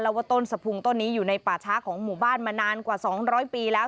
ว่าต้นสะพุงต้นนี้อยู่ในป่าช้าของหมู่บ้านมานานกว่า๒๐๐ปีแล้ว